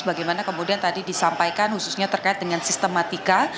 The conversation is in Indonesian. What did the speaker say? bagaimana kemudian tadi disampaikan khususnya terkait dengan sistematika